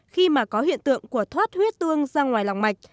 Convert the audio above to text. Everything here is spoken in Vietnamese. khi mà có hiện tượng của thoát huyết tương ra ngoài lòng mạch